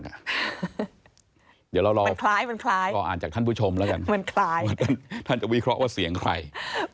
เดี๋ยวเรารออ่านจากท่านผู้ชมแล้วกันมันคล้ายท่านจะวิเคราะห์ว่าเสียงใคร